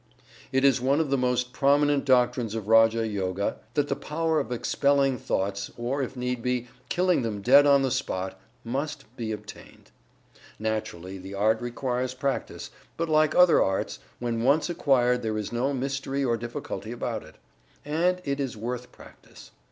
"It is one of the most prominent doctrines of Raja Yoga that the power of expelling thoughts, or if need be, killing them dead on the spot, must be attained. Naturally the art requires practice, but like other arts, when once acquired there is no mystery or difficulty about it. And it is worth practice.